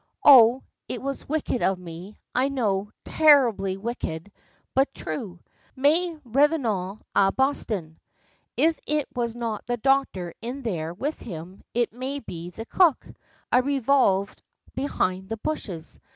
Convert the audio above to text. O, it was wicked of me, I know, terribly wicked! but true. Mais revenons à Boston. If it is not the doctor in there with him, it may be the cook, I revolved behind the bushes.